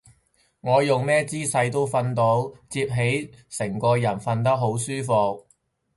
我用咩姿勢都瞓到，摺起成個人瞓得好舒服